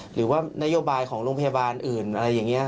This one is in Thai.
หรือว่านโยบายของโรงพยาบาลอื่นอะไรอย่างนี้